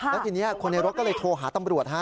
แล้วทีนี้คนในรถก็เลยโทรหาตำรวจฮะ